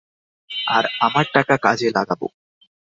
আমরা আমার টাকা কাজে লাগাবো।